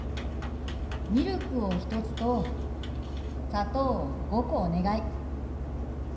ミルクを１つと砂糖を５個お願い。